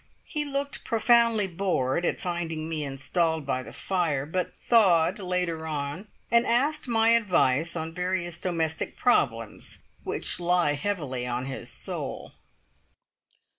He looked profoundly bored at finding me installed by the fire, but thawed later on, and asked my advice on various domestic problems which lie heavily on his soul.